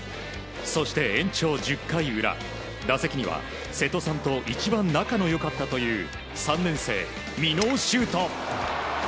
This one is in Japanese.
そして、延長１０回裏打席には、瀬戸さんと一番仲の良かったという３年生、美濃十飛。